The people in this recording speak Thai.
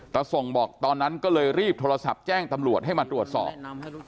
ส่งบอกตอนนั้นก็เลยรีบโทรศัพท์แจ้งตำรวจให้มาตรวจสอบ